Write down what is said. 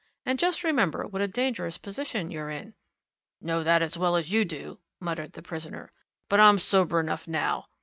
And just remember what a dangerous position you're in." "Know that as well as you do," muttered the prisoner. "But I'm sober enough, now!